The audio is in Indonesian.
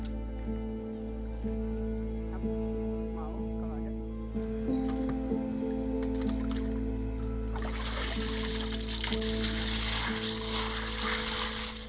tapi dia menjahat langsung yang kita pasukan